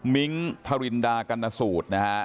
มิงค์ทารินดากัณฑสูตร